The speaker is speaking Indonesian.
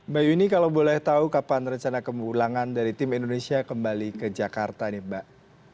mbak yuni kalau boleh tahu kapan rencana kemulangan dari tim indonesia kembali ke jakarta nih mbak